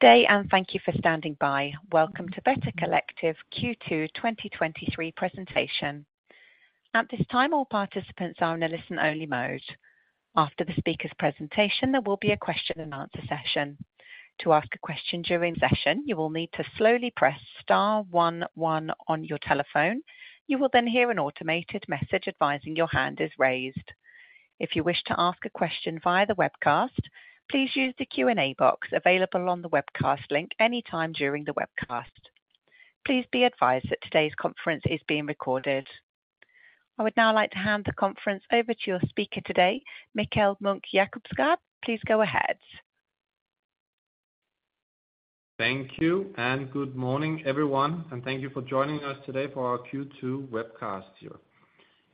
Good day. Thank you for standing by. Welcome to Better Collective Q2 2023 presentation. At this time, all participants are in a listen-only mode. After the speaker's presentation, there will be a question and answer session. To ask a question during the session, you will need to slowly press star one one on your telephone. You will hear an automated message advising your hand is raised. If you wish to ask a question via the webcast, please use the Q&A box available on the webcast link any time during the webcast. Please be advised that today's conference is being recorded. I would now like to hand the conference over to your speaker today, Mikkel Munch-Jacobsgaard. Please go ahead. Thank you, good morning, everyone, and thank you for joining us today for our Q2 webcast here.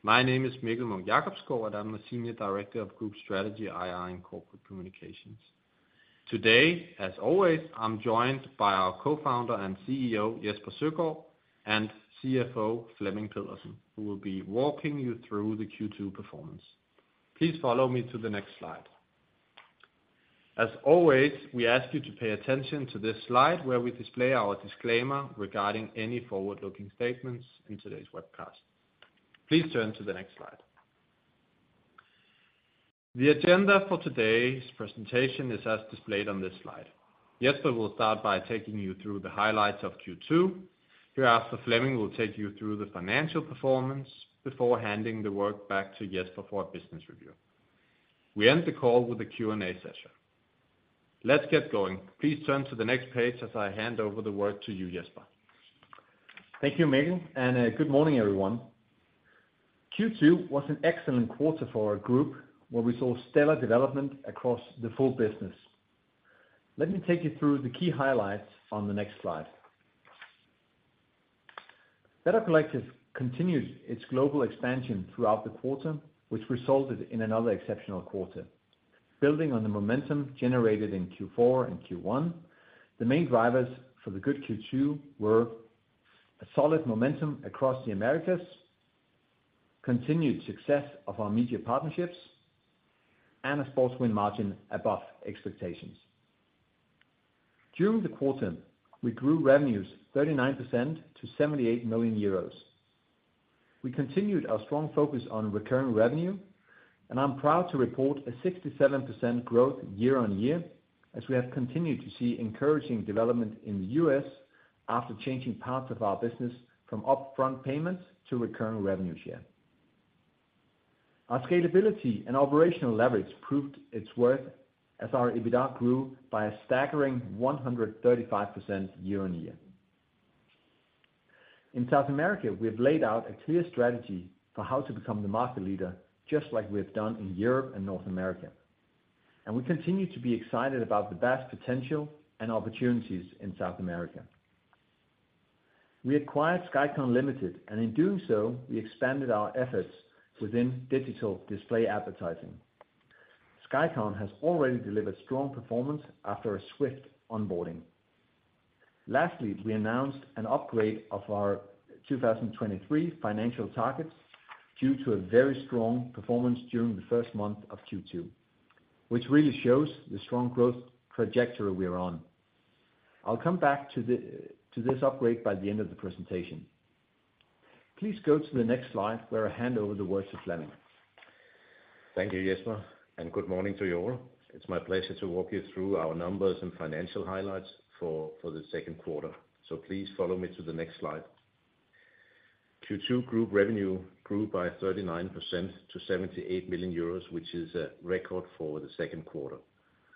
My name is Mikkel Munch-Jacobsgaard, and I'm the Senior Director of Group Strategy, IR, and Corporate Communications. Today, as always, I'm joined by our Co-founder and CEO, Jesper Søgaard, and CFO, Flemming Pedersen, who will be walking you through the Q2 performance. Please follow me to the next slide. As always, we ask you to pay attention to this slide, where we display our disclaimer regarding any forward-looking statements in today's webcast. Please turn to the next slide. The agenda for today's presentation is as displayed on this slide. Jesper will start by taking you through the highlights of Q2. Thereafter, Flemming will take you through the financial performance before handing the work back to Jesper for a business review. We end the call with a Q&A session. Let's get going. Please turn to the next page as I hand over the work to you, Jesper. Thank you, Mikkel, and good morning, everyone. Q2 was an excellent quarter for our group, where we saw stellar development across the full business. Let me take you through the key highlights on the next slide. Better Collective continued its global expansion throughout the quarter, which resulted in another exceptional quarter. Building on the momentum generated in Q4 and Q1, the main drivers for the good Q2 were: a solid momentum across the Americas, continued success of our media partnerships, and a sports win margin above expectations. During the quarter, we grew revenues 39% to 78 million euros. We continued our strong focus on recurring revenue, and I'm proud to report a 67% growth year-on-year, as we have continued to see encouraging development in the U.S. after changing parts of our business from upfront payments to recurring revenue share. Our scalability and operational leverage proved its worth as our EBITDA grew by a staggering 135% year-on-year. In South America, we have laid out a clear strategy for how to become the market leader, just like we have done in Europe and North America. We continue to be excited about the best potential and opportunities in South America. We acquired Skycon Limited. In doing so, we expanded our efforts within digital display advertising. Skycon has already delivered strong performance after a swift onboarding. Lastly, we announced an upgrade of our 2023 financial targets due to a very strong performance during the first month of Q2, which really shows the strong growth trajectory we are on. I'll come back to this upgrade by the end of the presentation. Please go to the next slide, where I hand over the words to Flemming. Thank you, Jesper. Good morning to you all. It's my pleasure to walk you through our numbers and financial highlights for the Q2. Please follow me to the next slide. Q2 group revenue grew by 39% to 78 million euros, which is a record for the Q2.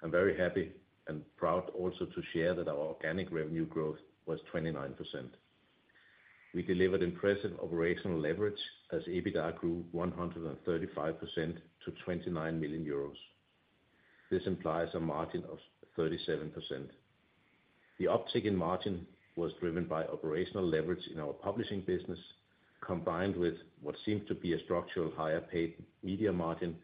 I'm very happy and proud also to share that our organic revenue growth was 29%. We delivered impressive operational leverage as EBITDA grew 135% to 29 million euros. This implies a margin of 37%. The uptick in margin was driven by operational leverage in our publishing business, combined with what seems to be a structural higher paid media margin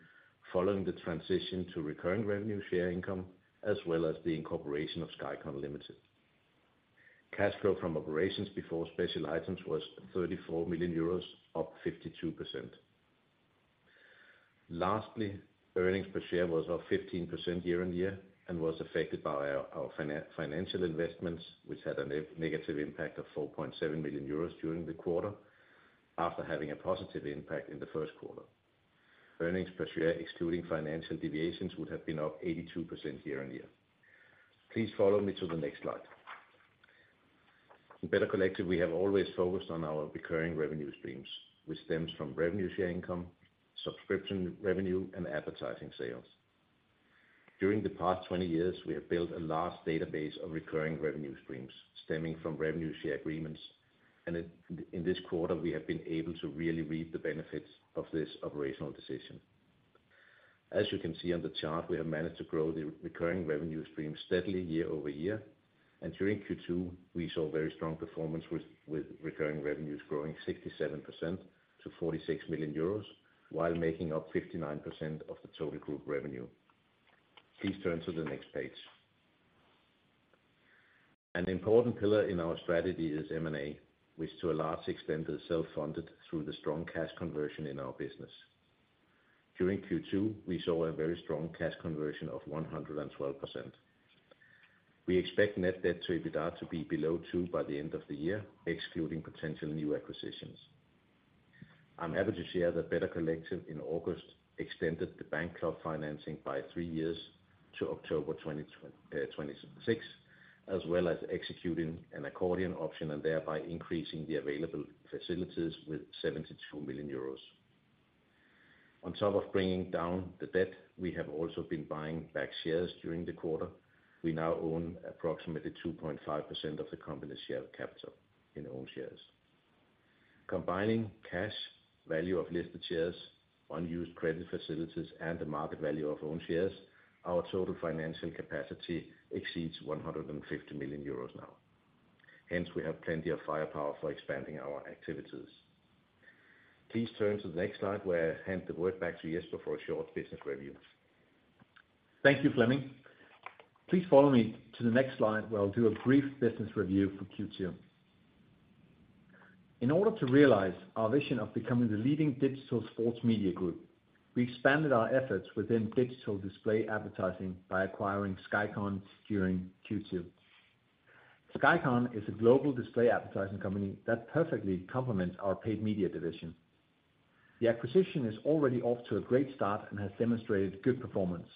following the transition to recurring revenue share income, as well as the incorporation of Skycon Limited. Cash flow from operations before special items was 34 million euros, up 52%. Lastly, earnings per share was up 15% year-over-year and was affected by our financial investments, which had a negative impact of 4.7 million euros during the quarter, after having a positive impact in the Q1. Earnings per share, excluding financial deviations, would have been up 82% year-over-year. Please follow me to the next slide. In Better Collective, we have always focused on our recurring revenue streams, which stems from revenue share income, subscription revenue, and advertising sales. During the past 20 years, we have built a large database of recurring revenue streams stemming from revenue share agreements, in this quarter, we have been able to really reap the benefits of this operational decision. As you can see on the chart, we have managed to grow the recurring revenue stream steadily year over year, and during Q2, we saw very strong performance with recurring revenues growing 67% to 46 million euros, while making up 59% of the total group revenue. Please turn to the next page. An important pillar in our strategy is M&A, which to a large extent is self-funded through the strong cash conversion in our business. During Q2, we saw a very strong cash conversion of 112%. We expect net debt to EBITDA to be below 2 by the end of the year, excluding potential new acquisitions. I'm happy to share that Better Collective in August extended the bank club financing by three years to October twenty twen- 2026, as well as executing an accordion option and thereby increasing the available facilities with 72 million euros. On top of bringing down the debt, we have also been buying back shares during the quarter. We now own approximately 2.5% of the company's share capital in own shares. Combining cash, value of listed shares, unused credit facilities, and the market value of own shares, our total financial capacity exceeds 150 million euros now. Hence, we have plenty of firepower for expanding our activities. Please turn to the next slide, where I hand the word back to Jesper for a short business review. Thank you, Flemming. Please follow me to the next slide, where I'll do a brief business review for Q2. In order to realize our vision of becoming the leading digital sports media group, we expanded our efforts within digital display advertising by acquiring Skycon during Q2. Skycon is a global display advertising company that perfectly complements our paid media division. The acquisition is already off to a great start and has demonstrated good performance.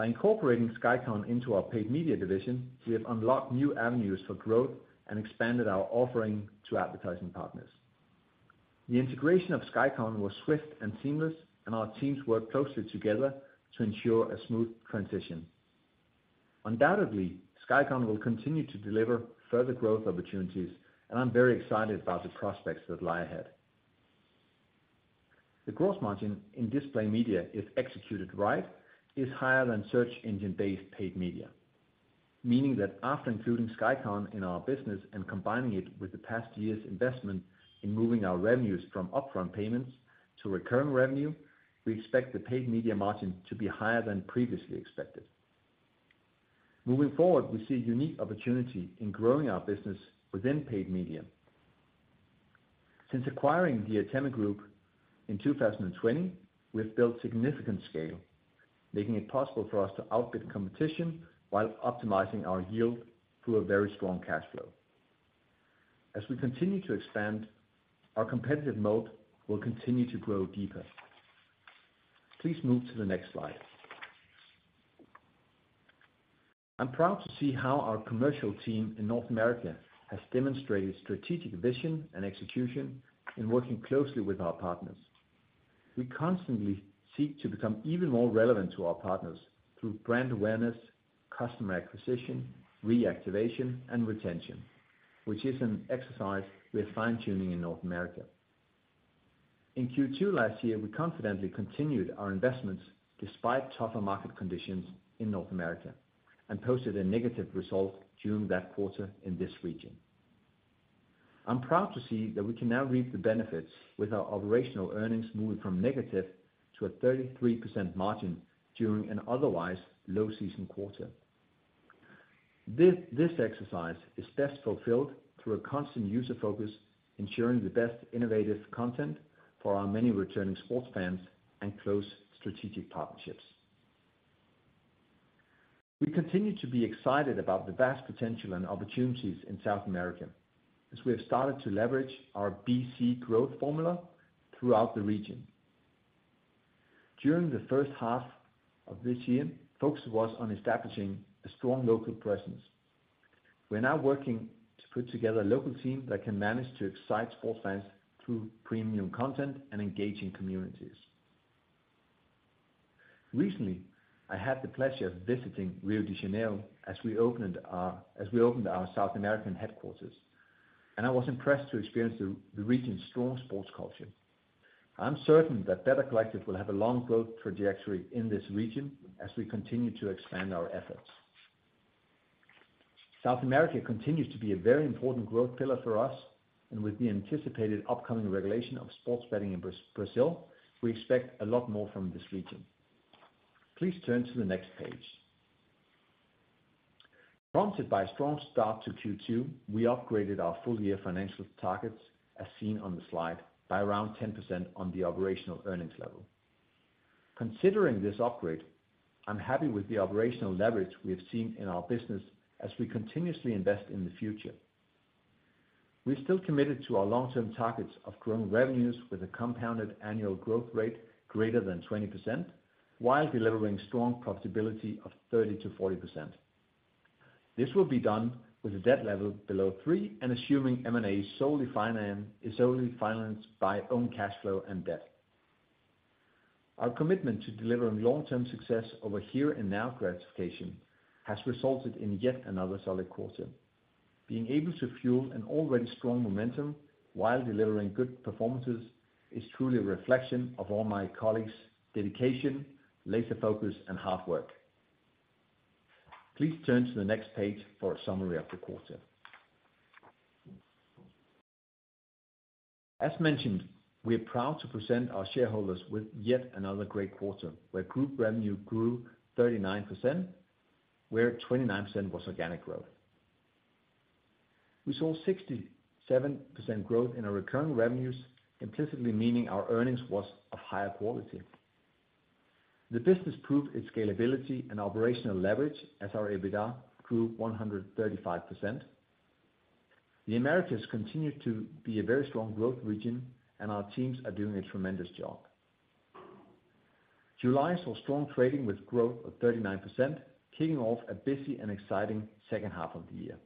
By incorporating Skycon into our paid media division, we have unlocked new avenues for growth and expanded our offering to advertising partners. The integration of Skycon was swift and seamless, and our teams worked closely together to ensure a smooth transition. Undoubtedly, Skycon will continue to deliver further growth opportunities, and I'm very excited about the prospects that lie ahead. The gross margin in display media, if executed right, is higher than search engine-based paid media. Meaning that after including Skycon in our business and combining it with the past year's investment in moving our revenues from upfront payments to recurring revenue, we expect the paid media margin to be higher than previously expected. Moving forward, we see a unique opportunity in growing our business within paid media. Since acquiring the Atemi Group in 2020, we have built significant scale, making it possible for us to outbid competition while optimizing our yield through a very strong cash flow. As we continue to expand, our competitive moat will continue to grow deeper. Please move to the next slide. I'm proud to see how our commercial team in North America has demonstrated strategic vision and execution in working closely with our partners. We constantly seek to become even more relevant to our partners through brand awareness, customer acquisition, reactivation, and retention, which is an exercise we are fine-tuning in North America. In Q2 last year, we confidently continued our investments despite tougher market conditions in North America and posted a negative result during that quarter in this region. I'm proud to see that we can now reap the benefits with our operational earnings moving from negative to a 33% margin during an otherwise low season quarter. This exercise is best fulfilled through a constant user focus, ensuring the best innovative content for our many returning sports fans and close strategic partnerships. We continue to be excited about the vast potential and opportunities in South America as we have started to leverage our BC Growth Formula throughout the region. During the first half of this year, focus was on establishing a strong local presence. We're now working to put together a local team that can manage to excite sports fans through premium content and engaging communities. Recently, I had the pleasure of visiting Rio de Janeiro as we opened our South American headquarters. I was impressed to experience the region's strong sports culture. I'm certain that Better Collective will have a long growth trajectory in this region as we continue to expand our efforts. South America continues to be a very important growth pillar for us. With the anticipated upcoming regulation of sports betting in Brazil, we expect a lot more from this region. Please turn to the next page. Prompted by a strong start to Q2, we upgraded our full-year financial targets, as seen on the slide, by around 10% on the operational earnings level. Considering this upgrade, I'm happy with the operational leverage we have seen in our business as we continuously invest in the future. We're still committed to our long-term targets of growing revenues with a compounded annual growth rate greater than 20%, while delivering strong profitability of 30%-40%. This will be done with a debt level below 3 and assuming M&A is solely financed by own cash flow and debt. Our commitment to delivering long-term success over here and now gratification has resulted in yet another solid quarter. Being able to fuel an already strong momentum while delivering good performances is truly a reflection of all my colleagues' dedication, laser focus, and hard work. Please turn to the next page for a summary of the quarter. As mentioned, we are proud to present our shareholders with yet another great quarter, where group revenue grew 39%, where 29% was organic growth. We saw 67% growth in our recurring revenues, implicitly meaning our earnings was of higher quality. The business proved its scalability and operational leverage as our EBITDA grew 135%. The Americas continued to be a very strong growth region, and our teams are doing a tremendous job. July saw strong trading with growth of 39%, kicking off a busy and exciting second half of the year.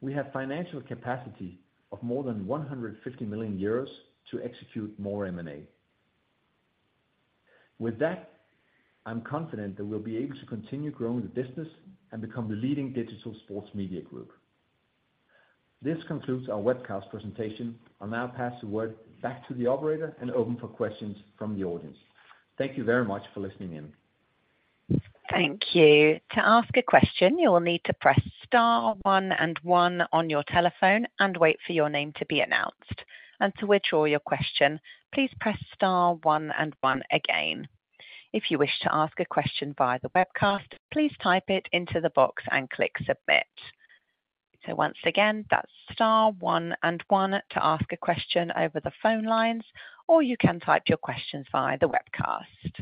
We have financial capacity of more than 150 million euros to execute more M&A. With that, I'm confident that we'll be able to continue growing the business and become the leading digital sports media group. This concludes our webcast presentation. I'll now pass the word back to the operator and open for questions from the audience. Thank you very much for listening in. Thank you. To ask a question, you will need to press star 1 and 1 on your telephone and wait for your name to be announced. To withdraw your question, please press star 1 and 1 again. If you wish to ask a question via the webcast, please type it into the box and click Submit. Once again, that's star 1 and 1 to ask a question over the phone lines, or you can type your questions via the webcast.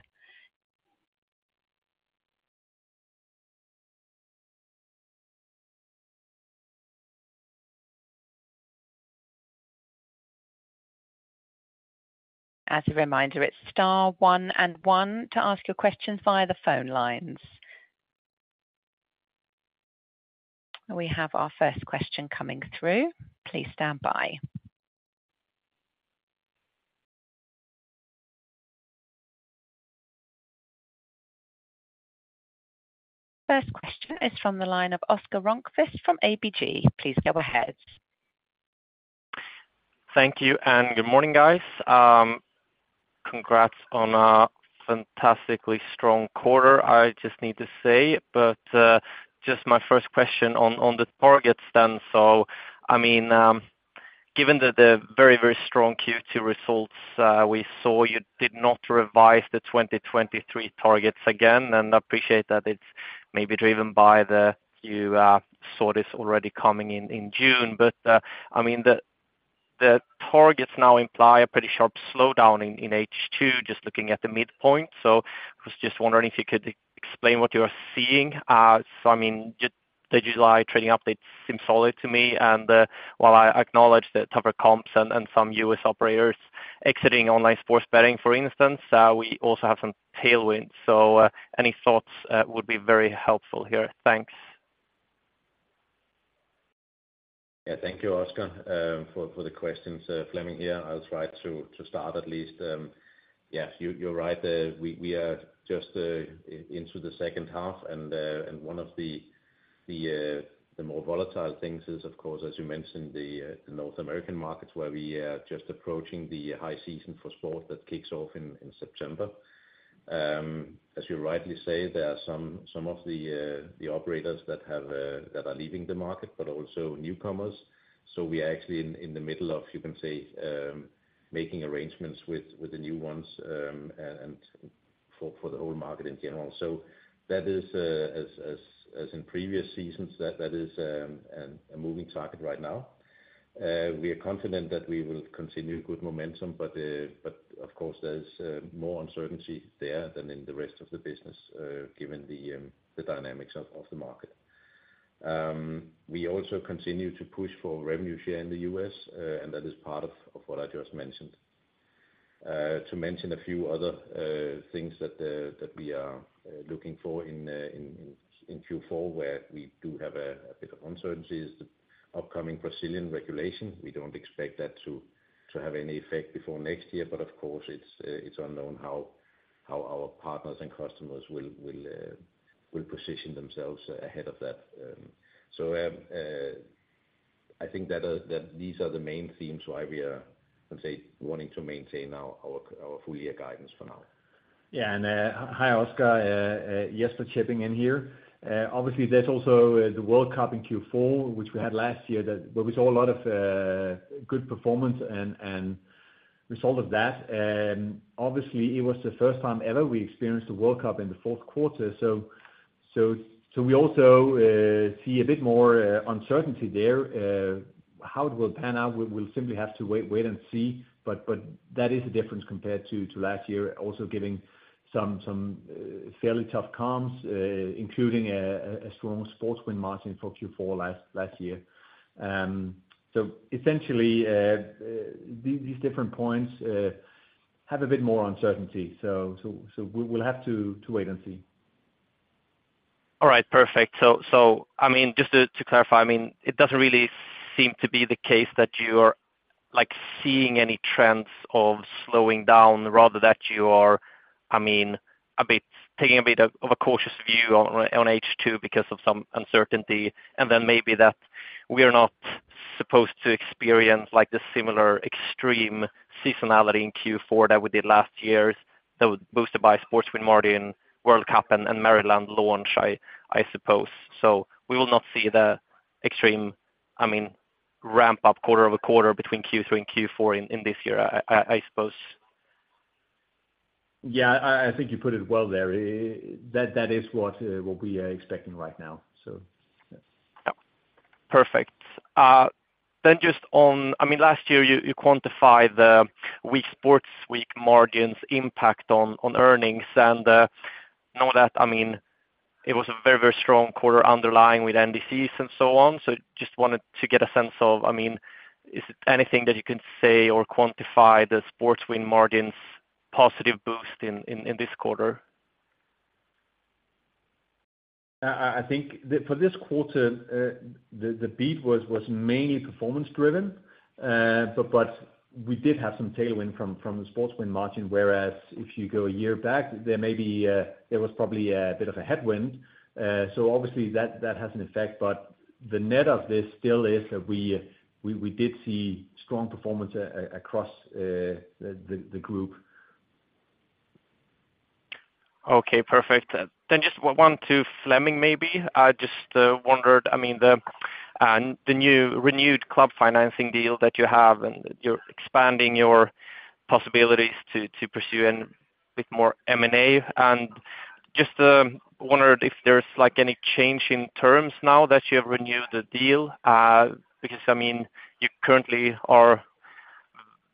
As a reminder, it's star 1 and 1 to ask your questions via the phone lines. We have our first question coming through. Please stand by. First question is from the line of Oscar Rönnkvist from ABG. Please go ahead. Thank you, good morning, guys. Congrats on a fantastically strong quarter, I just need to say. Just my first question on, on the targets then. I mean, given that the very, very strong Q2 results, we saw, you did not revise the 2023 targets again, and I appreciate that it's maybe driven by the you saw this already coming in, in June. I mean, the, the targets now imply a pretty sharp slowdown in, in H2, just looking at the midpoint. I was just wondering if you could ex-explain what you are seeing. I mean, just the July trading update seems solid to me, and, while I acknowledge the tougher comps and, and some U.S. operators exiting online sports betting, for instance, we also have some tailwinds. Any thoughts would be very helpful here. Thanks. Yeah. Thank you, Oscar, for, for the questions. Flemming here. I'll try to, to start at least. Yes, you, you're right. We, we are just into the second half, and one of the, the, the more volatile things is, of course, as you mentioned, the, the North American markets, where we are just approaching the high season for sport that kicks off in, in September. As you rightly say, there are some, some of the, the operators that have, that are leaving the market, but also newcomers. We are actually in, in the middle of, you can say, making arrangements with, with the new ones, and, and for the whole market in general. That is, as in previous seasons, that is a moving target right now. We are confident that we will continue good momentum, but of course, there is more uncertainty there than in the rest of the business, given the dynamics of the market. We also continue to push for revenue share in the U.S., and that is part of what I just mentioned. To mention a few other things that we are looking for in Q4, where we do have a bit of uncertainty, is the upcoming Brazilian regulation. We don't expect that to have any effect before next year, but of course, it's unknown how our partners and customers will position themselves ahead of that. I think that these are the main themes why we are, let's say, wanting to maintain our, our, our full year guidance for now. Yeah, hi, Oscar. Jesper, for chipping in here. Obviously, there's also the World Cup in Q4, which we had last year, that, where we saw a lot of good performance and result of that. Obviously, it was the first time ever we experienced the World Cup in the Q4, we also see a bit more uncertainty there. How it will pan out, we'll simply have to wait and see, but that is a difference compared to last year, also giving some fairly tough comps, including a strong sports win margin for Q4 last year. So essentially, these different points have a bit more uncertainty. We'll have to wait and see. All right. Perfect. So, so, I mean, just to, to clarify, I mean, it doesn't really seem to be the case that you're, like, seeing any trends of slowing down, rather that you are, I mean, a bit-- taking a bit of, of a cautious view on, on H2 because of some uncertainty, and then maybe that we are not supposed to experience, like, the similar extreme seasonality in Q4 that we did last year, that was boosted by sports win margin, World Cup and, and Maryland launch, I, I suppose. We will not see the extreme, I mean, ramp up quarter-over-quarter between Q3 and Q4 in, in this year, I, I, I suppose? Yeah, I, I think you put it well there. That, that is what, what we are expecting right now, so yeah. Yep. Perfect. Then just on, I mean, last year you, you quantified the weak sports, weak margins impact on, on earnings and know that, I mean, it was a very, very strong quarter underlying with NDCs and so on. Just wanted to get a sense of, I mean, is it anything that you can say or quantify the sports win margins positive boost in this quarter? I, I think the, for this quarter, the, the beat was, was mainly performance driven. But we did have some tailwind from, from the sports win margin, whereas if you go a year back, there may be, there was probably a bit of a headwind. Obviously that has an effect, but the net of this still is that we did see strong performance across the group. Okay, perfect. Then just Flemming, maybe. I just wondered, I mean, the new renewed club financing deal that you have, and you're expanding your possibilities to pursue and with more M&A, and just wondered if there's like any change in terms now that you have renewed the deal? Because I mean, you currently are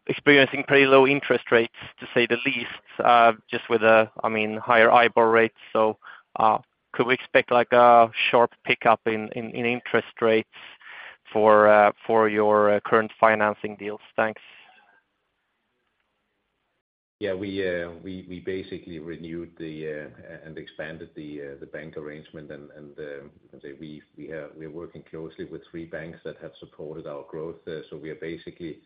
experiencing pretty low interest rates, to say the least, just with a, I mean, higher IBOR rate. Could we expect like a sharp pickup in interest rates for your current financing deals? Thanks. Yeah, we, we, we basically renewed the, and expanded the, the bank arrangement and, and, we have, we're working closely with three banks that have supported our growth. We are basically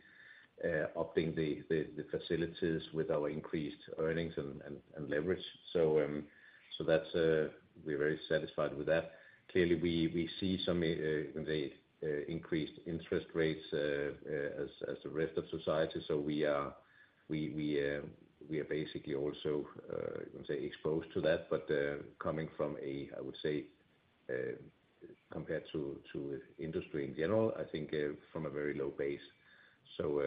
opting the, the, the facilities with our increased earnings and leverage. That's, we're very satisfied with that. Clearly, we see some, the increased interest rates, as, as the rest of society. We are, we, we, we are basically also, I would say, exposed to that. Coming from a, I would say, compared to industry in general, I think, from a very low base. Still,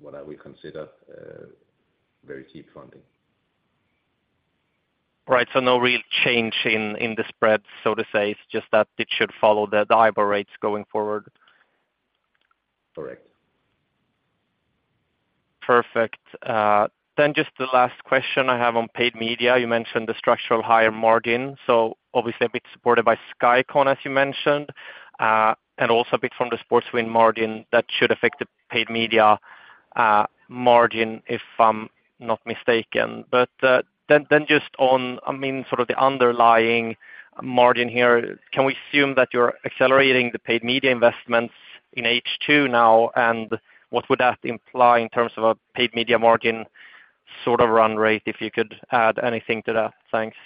what I would consider, very cheap funding. Right. No real change in, in the spread, so to say, it's just that it should follow the, the IBOR rates going forward? Correct. Perfect. Then just the last question I have on paid media, you mentioned the structural higher margin, so obviously a bit supported by Skycon, as you mentioned, and also a bit from the sports win margin that should affect the paid media margin, if I'm not mistaken. Then just on, I mean, sort of the underlying margin here, can we assume that you're accelerating the paid media investments in H2 now? What would that imply in terms of a paid media margin, sort of run rate, if you could add anything to that? Thanks.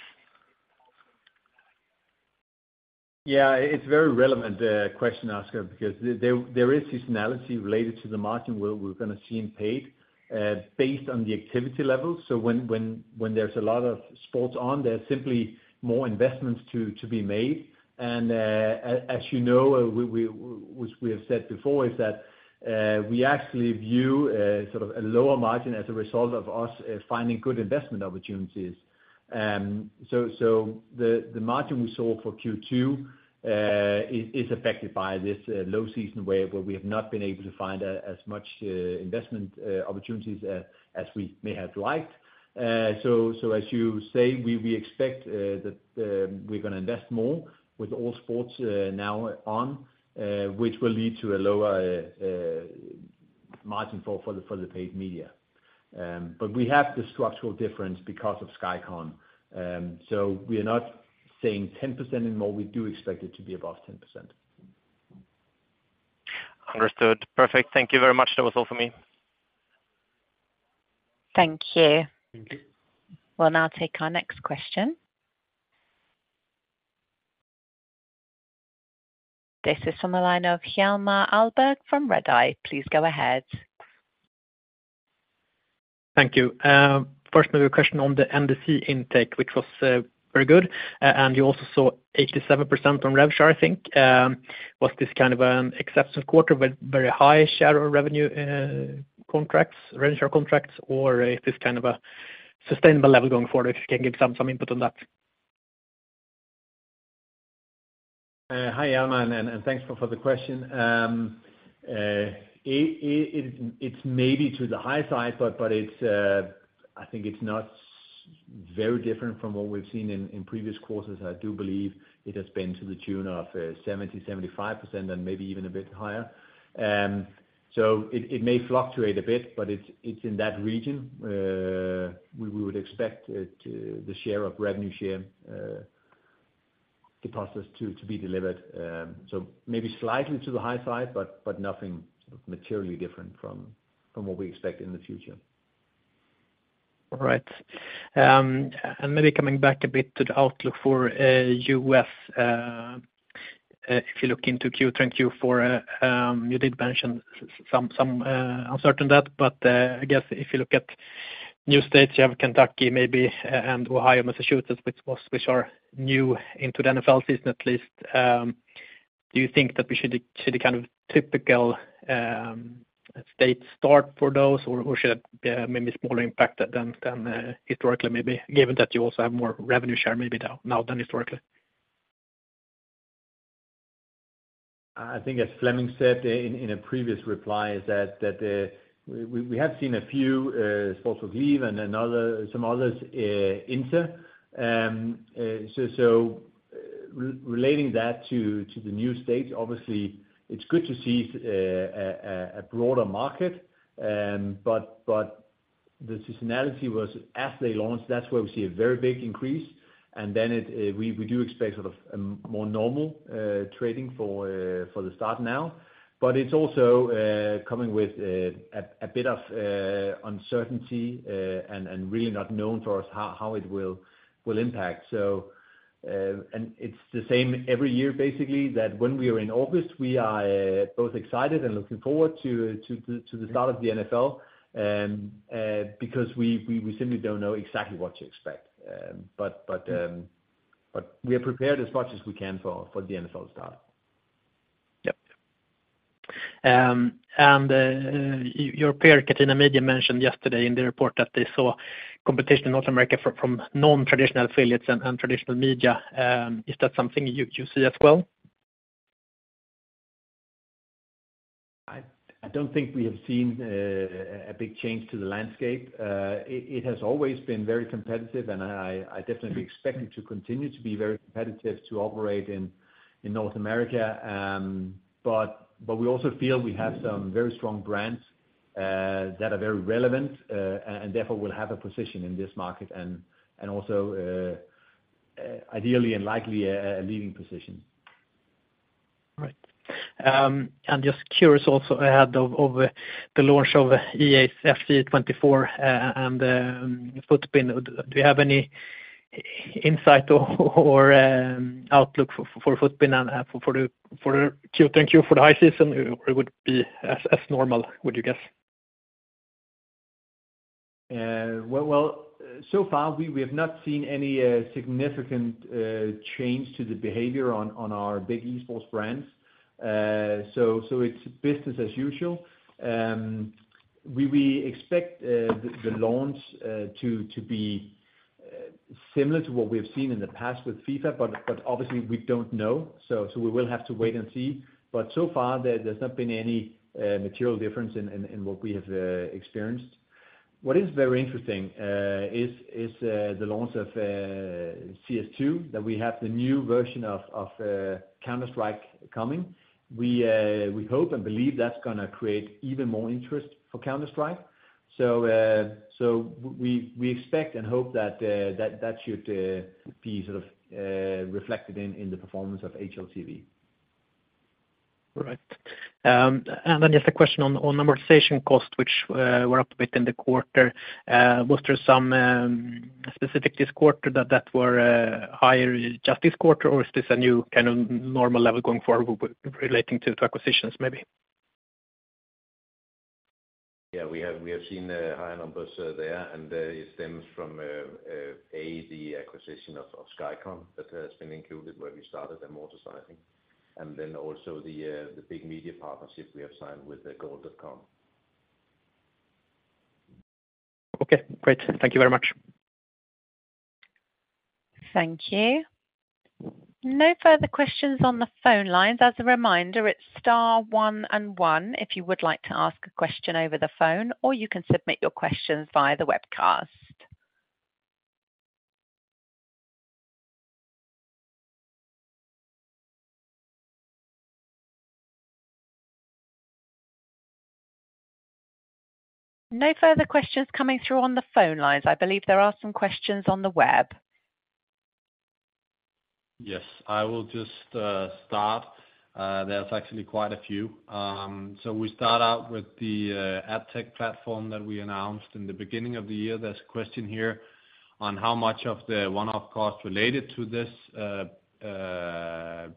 Yeah, it's very relevant question, Oscar, because there is seasonality related to the margin where we're gonna see in paid, based on the activity level. When there's a lot of sports on, there's simply more investments to be made. As you know, we, which we have said before, is that we actually view sort of a lower margin as a result of us finding good investment opportunities. The margin we saw for Q2 is affected by this low season where we have not been able to find as much investment opportunities as we may have liked. As you say, we, we expect that we're gonna invest more with all sports now on, which will lead to a lower margin for the, for the paid media. We have the structural difference because of Skycon. We are not saying 10% and more, we do expect it to be above 10%. Understood. Perfect. Thank you very much. That was all for me. Thank you. Thank you. We'll now take our next question. This is from the line of Hjalmar Ahlberg from Redeye. Please go ahead. Thank you. First, maybe a question on the NDC intake, which was very good, and you also saw 87% from revenue share, I think. Was this kind of exceptional quarter with very high share of revenue contracts, revenue share contracts, or is this kind of a sustainable level going forward? If you can give some input on that. Hi, Hjalmar, and thanks for the question. It's maybe to the high side, but I think it's not very different from what we've seen in previous quarters. I do believe it has been to the tune of 70%-75% and maybe even a bit higher. So it may fluctuate a bit, but it's in that region, we would expect it, the share of revenue share deposits to be delivered. So maybe slightly to the high side, but nothing materially different from what we expect in the future. All right. Maybe coming back a bit to the outlook for US, if you look into Q3 and Q4, you did mention some uncertainty, but I guess if you look at new states, you have Kentucky, maybe, and Ohio, Massachusetts, which was, which are new into the NFL season, at least. Do you think that we should see the kind of typical state start for those, or should it be maybe smaller impact than historically, maybe, given that you also have more revenue share maybe now than historically? I think as Flemming said in a previous reply, is that, that we, we have seen a few sports leave and some others enter. Relating that to, to the new stage, obviously it's good to see a broader market. The seasonality was as they launched, that's where we see a very big increase, and then it, we do expect sort of a more normal trading for the start now. It's also coming with a bit of uncertainty, and really not known for us how, how it will impact. It's the same every year, basically, that when we are in August, we are both excited and looking forward to the start of the NFL. because we simply don't know exactly what to expect. But we are prepared as much as we can for, for the NFL start. Yep. Your peer, Catena Media, mentioned yesterday in the report that they saw competition in North America from non-traditional affiliates and traditional media. Is that something you, you see as well? I, I don't think we have seen a big change to the landscape. It, it has always been very competitive, and I, I definitely expect it to continue to be very competitive to operate in North America. But, but we also feel we have some very strong brands that are very relevant, and therefore will have a position in this market, and also, ideally and likely, a leading position. Right. I'm just curious also ahead of the launch of EA Sports FC 24, and Futbin. Do you have any insight or outlook for Futbin and for the, thank you, for the high season, or it would be as normal, would you guess? Well, well, so far, we have not seen any significant change to the behavior on our big Esports brands. It's business as usual. We, we expect the, the launch to, to be similar to what we've seen in the past with FIFA, but, but obviously we don't know. We will have to wait and see. So far, there, there's not been any material difference in what we have experienced. What is very interesting is, is the launch of CS2, that we have the new version of, of Counter-Strike coming. We, we hope and believe that's gonna create even more interest for Counter-Strike. We, we expect and hope that that should be sort of reflected in, in the performance of HLTV. Right. Then just a question on, on amortization costs, which were up a bit in the quarter. Was there some specific this quarter that, that were higher just this quarter, or is this a new kind of normal level going forward w- relating to the acquisitions, maybe? Yeah, we have, we have seen higher numbers there, and it stems from A, the acquisition of Skycon, that has been included, where we started the motorcycling, and then also the big media partnership we have signed with the Goal.com. Okay, great. Thank you very much. Thank you. No further questions on the phone lines. As a reminder, it's star one and one, if you would like to ask a question over the phone, or you can submit your questions via the webcast. No further questions coming through on the phone lines. I believe there are some questions on the web. Yes, I will just start. There's actually quite a few. We start out with the AdTech platform that we announced in the beginning of the year. There's a question here on how much of the one-off costs related to this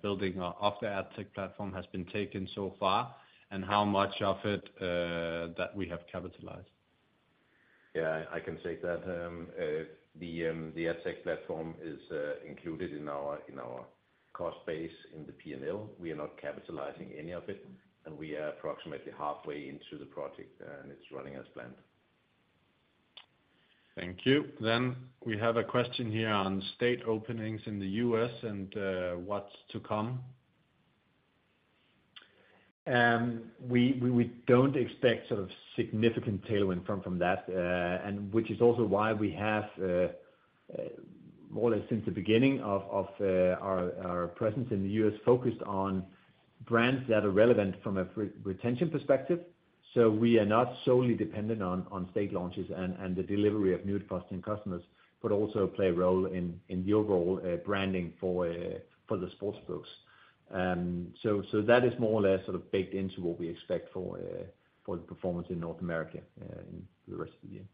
building of the AdTech platform has been taken so far, and how much of it that we have capitalized? Yeah, I can take that. The AdTech platform is included in our, in our cost base in the P&L. We are not capitalizing any of it, and we are approximately halfway into the project, and it's running as planned. Thank you. We have a question here on state openings in the US and, what's to come. We, we, we don't expect sort of significant tailwind from that. Which is also why we have more or less since the beginning of our presence in the U.S., focused on brands that are relevant from a re- retention perspective. We are not solely dependent on, on state launches and, and the delivery of new customers, but also play a role in, in your role branding for the sportsbooks. That is more or less sort of baked into what we expect for the performance in North America in the rest of the year.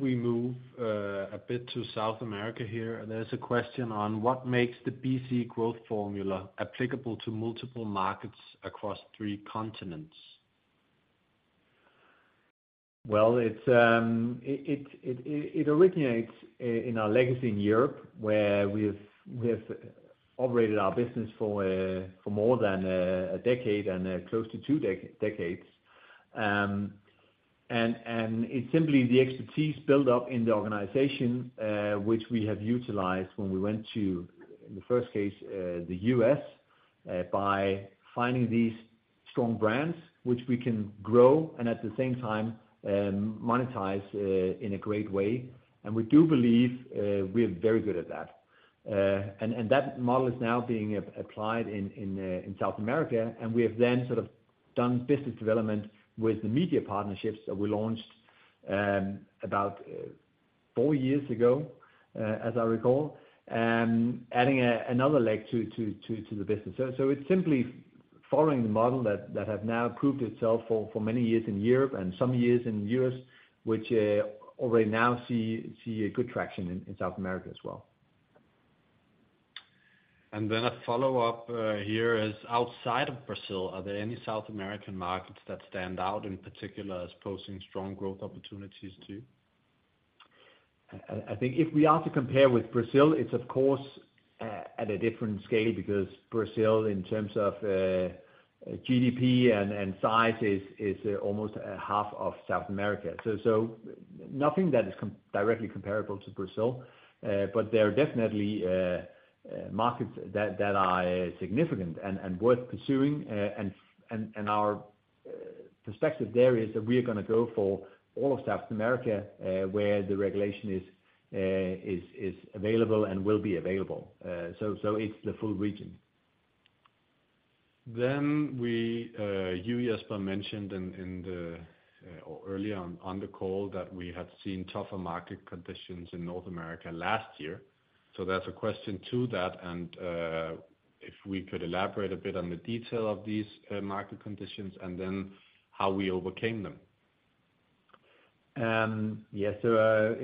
We move, a bit to South America here. There's a question on what makes the BC growth formula applicable to multiple markets across three continents? Well, it's originates in our legacy in Europe, where we have, we have operated our business for more than a decade and close to 2 decades. It's simply the expertise built up in the organization, which we have utilized when we went in the first case, the US, by finding these strong brands which we can grow and at the same time, monetize in a great way. We do believe, we are very good at that. That model is now being applied in, in South America, and we have then sort of done business development with the media partnerships that we launched, about 4 years ago, as I recall, adding another leg to the business. It's simply following the model that have now proved itself for many years in Europe and some years in US, which already now see a good traction in South America as well. Then a follow-up, here is outside of Brazil, are there any South American markets that stand out in particular as posing strong growth opportunities, too? I think if we are to compare with Brazil, it's of course, at a different scale, because Brazil, in terms of GDP and size, is almost a half of South America. Nothing that is directly comparable to Brazil, but there are definitely markets that are significant and worth pursuing. And our perspective there is that we are gonna go for all of South America, where the regulation is available and will be available. It's the full region. You, Jesper, mentioned in the, or early on the call that we had seen tougher market conditions in North America last year. That's a question to that, and if we could elaborate a bit on the detail of these market conditions, and then how we overcame them. Yes, so,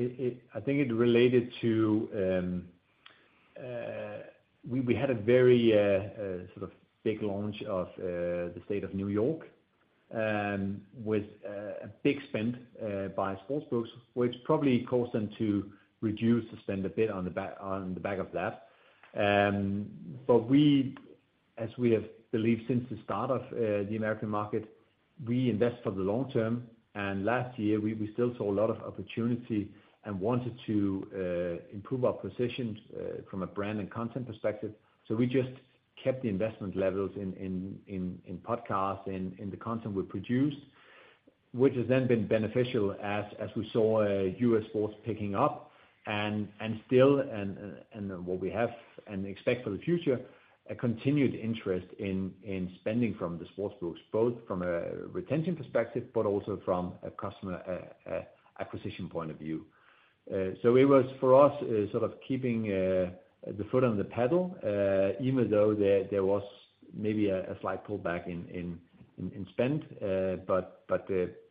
I think it related to. We had a very sort of big launch of the state of New York, with a big spend by sportsbooks, which probably caused them to reduce the spend a bit on the back, on the back of that. We, as we have believed since the start of the American market, we invest for the long term, and last year, we still saw a lot of opportunity and wanted to improve our positions from a brand and content perspective. We just kept the investment levels in podcasts and in the content we produced, which has then been beneficial as we saw U.S. sports picking up, and still, and what we have and expect for the future, a continued interest in spending from the sports books, both from a retention perspective, but also from a customer acquisition point of view. It was, for us, sort of keeping the foot on the pedal, even though there was maybe a slight pullback in spend. But,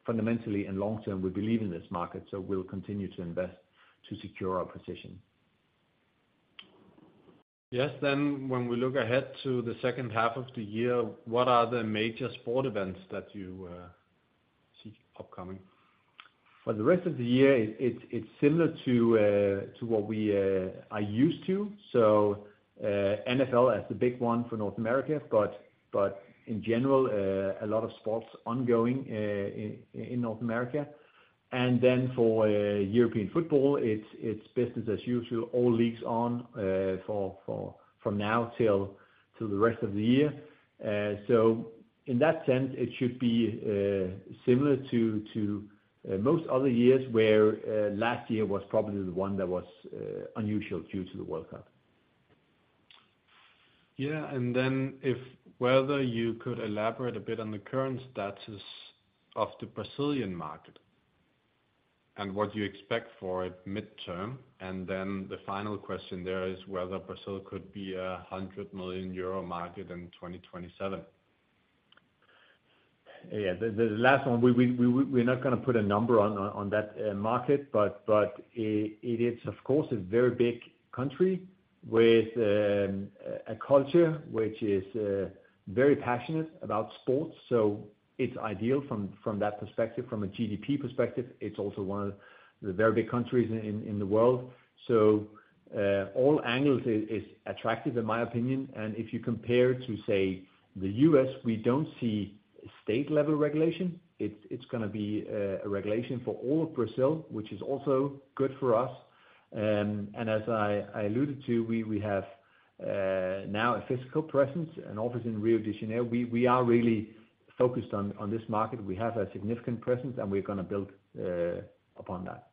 fundamentally and long term, we believe in this market, so we'll continue to invest to secure our position. Yes. When we look ahead to the second half of the year, what are the major sport events that you see upcoming? For the rest of the year, it's similar to what we are used to. NFL as the big one for North America, but in general, a lot of sports ongoing in North America. For European football, it's business as usual, all leagues on for from now till, till the rest of the year. In that sense, it should be similar to most other years, where last year was probably the one that was unusual due to the World Cup. Yeah, and then if whether you could elaborate a bit on the current status of the Brazilian market and what you expect for it midterm? Then the final question there is whether Brazil could be a 100 million euro market in 2027? Yeah. The last one, we're not gonna put a number on that market, but it is, of course, a very big country with a culture which is very passionate about sports, so it's ideal from that perspective. From a GDP perspective, it's also one of the very big countries in the world. All angles is attractive in my opinion, and if you compare to, say, the US, we don't see state-level regulation. It's gonna be a regulation for all of Brazil, which is also good for us. As I alluded to, we have now a physical presence, an office in Rio de Janeiro. We are really focused on this market. We have a significant presence, and we're gonna build upon that.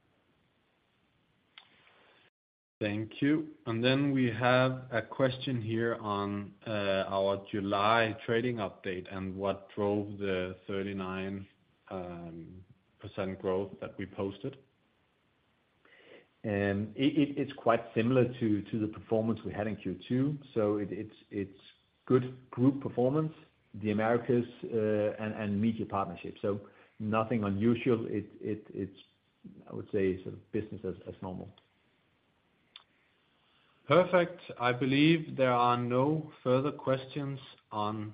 Thank you. Then we have a question here on our July trading update and what drove the 39% growth that we posted. It's quite similar to the performance we had in Q2, so it's good group performance, the Americas, and media partnerships, so nothing unusual. It's, I would say, sort of business as normal. Perfect. I believe there are no further questions on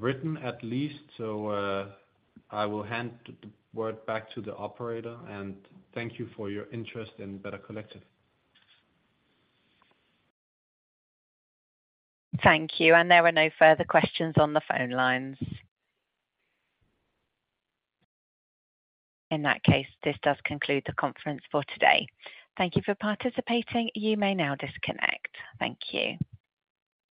written at least. I will hand the word back to the operator, thank you for your interest in Better Collective. Thank you, and there are no further questions on the phone lines. In that case, this does conclude the conference for today. Thank you for participating. You may now disconnect. Thank you.